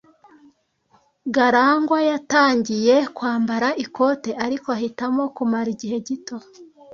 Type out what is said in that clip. Garangwa yatangiye kwambara ikote, ariko ahitamo kumara igihe gito.